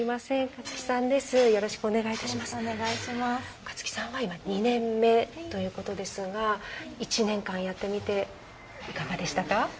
勝木さんは今２年目ということでしたが１年間やってみていかがでしたか？